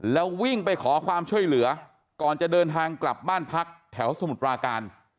แล้ววิ่งไปขอความช่วยเหลือก่อนจะเดินทางกลับบ้านพักแถวสมุทรปราการ